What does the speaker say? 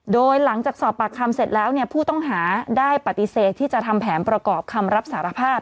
โดยหลังจากสอบปากคำเสร็จแล้วเนี่ยผู้ต้องหาได้ปฏิเสธที่จะทำแผนประกอบคำรับสารภาพ